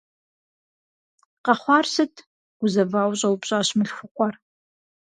Къэхъуар сыт?- гузэвауэ, щӏэупщӏащ мылъхукъуэр.